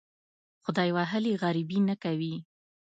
خدای وهلي غریبي نه کوي.